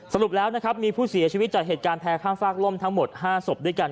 สรุปแล้วนะครับมีผู้เสียชีวิตจากเหตุการณ์แพ้ข้างฟากล่มทั้งหมด๕ศพด้วยกัน